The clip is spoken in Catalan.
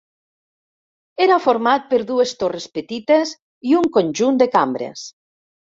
Era format per dues torres petites i un conjunt de cambres.